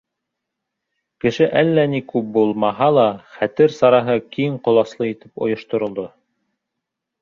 Кеше әллә ни күп булмаһа ла, хәтер сараһы киң ҡоласлы итеп ойошторолдо.